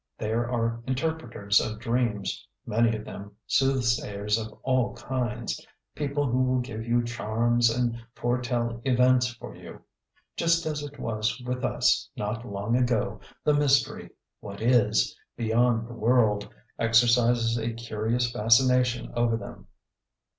There are interpreters of dreams, many of them, soothsayers of all kinds, people who will give you charms, and foretell events for you. Just as it was with us not long ago, the mystery, what is beyond the world, exercises a curious fascination over them.